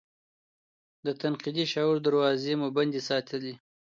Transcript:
د تنقیدي شعور دراوزې مو بندې ساتلي دي.